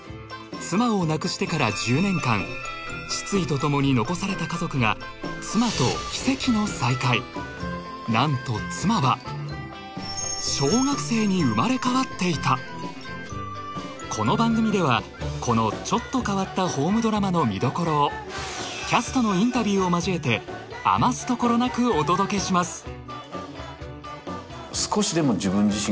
妻を亡くしてから１０年間失意と共にのこされた家族が妻と奇跡の再会なんと妻は小学生に生まれ変わっていたこの番組ではこのちょっと変わったホームドラマの見どころをキャストのインタビューをまじえてあますところなくお届けします